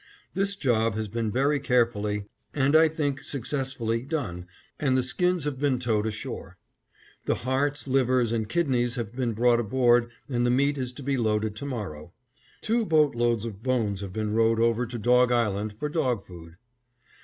This job has been very carefully, and I think successfully, done and the skins have been towed ashore. The hearts, livers, and kidneys have been brought aboard and the meat is to be loaded to morrow. Two boat loads of bones have been rowed over to Dog Island for dog food.